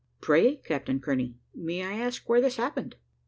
"Pray, Captain Kearney, may I ask where this happened?"